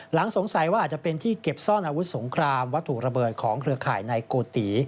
หลังสงสัยว่าอาจจะเป็นที่เก็บซ่อนอาวุธสงครามวัตถุระเบิดของเครือข่ายในโกติ